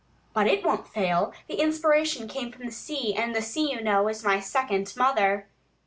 But it won't fail; the inspiration came from the sea, and the sea, you know, is my second mother!"